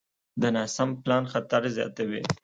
د ناسم پلان خطر زیاتوي.